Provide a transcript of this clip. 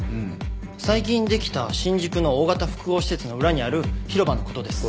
最近できた新宿の大型複合施設の裏にある広場の事です。